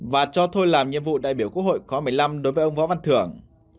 và cho thôi làm nhiệm vụ đại biểu quốc hội khóa một mươi năm đối với ông võ văn thưởng